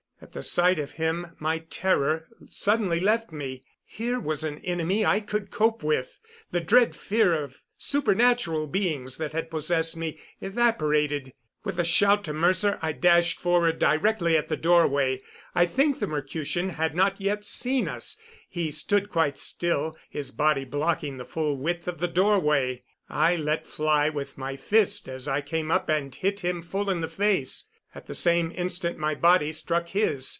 At the sight of him my terror suddenly left me. Here was an enemy I could cope with. The dread fear of supernatural beings that had possessed me evaporated. With a shout to Mercer I dashed forward directly at the doorway. I think the Mercutian had not yet seen us; he stood quite still, his body blocking the full width of the doorway. I let fly with my fist as I came up and hit him full in the face. At the same instant my body struck his.